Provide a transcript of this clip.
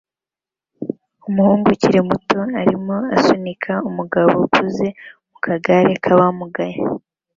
Umuhungu ukiri muto arimo asunika umugabo ukuze mu kagare k'abamugaye